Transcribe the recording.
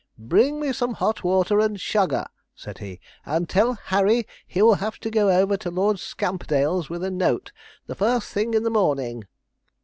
'Bring me some hot water and sugar,' said he; 'and tell Harry he will have to go over to Lord Scamperdale's, with a note, the first thing in the morning.'